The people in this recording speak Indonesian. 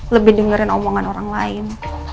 lebih dengerin omongan orang lain